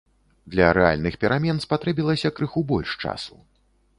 Для рэальных перамен спатрэбілася крыху больш часу.